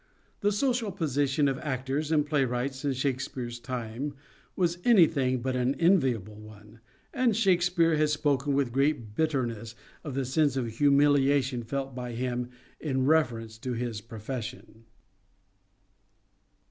The social position of actors and playwrights in Shakespeare's time was anything but an enviable one, and Shake speare has spoken with great bitterness of the sense of humiliation felt by him in reference to his profession.